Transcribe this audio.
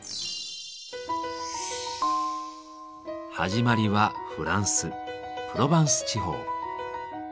始まりはフランス・プロバンス地方。